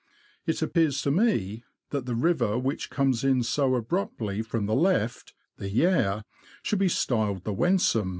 It appears to me, that the river which comes in so abruptly from the left (the Yare) should be styled the Wensum.